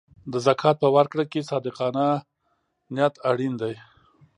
د زکات په ورکړه کې صادقانه نیت اړین دی.